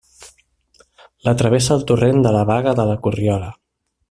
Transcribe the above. La travessa el torrent de la Baga de la Corriola.